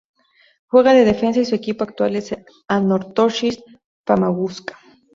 Juega de defensa, y su equipo actual es el Anorthosis Famagusta.